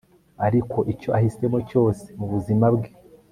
ariko icyo ahisemo cyose mubuzima bwe